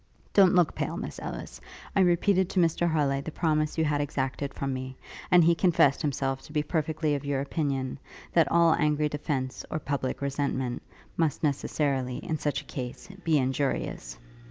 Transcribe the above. Don't look pale, Miss Ellis: I repeated to Mr Harleigh the promise you had exacted from me, and he confessed himself to be perfectly of your opinion, that all angry defence, or public resentment, must necessarily, in such a case, be injurious.